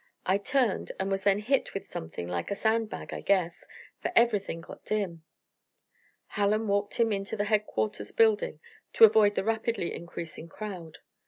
I turned, and was then hit with something like a sand bag, I guess, for everything got dim." Hallen walked him into the headquarters building, to avoid the rapidly increasing crowd.